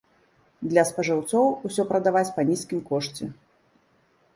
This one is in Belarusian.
Для спажыўцоў усё прадаваць па нізкім кошце.